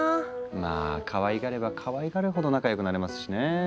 まあかわいがればかわいがるほど仲良くなれますしね。